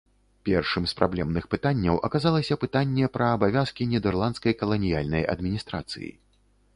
Першым з праблемных пытанняў аказалася пытанне пра абавязкі нідэрландскай каланіяльнай адміністрацыі.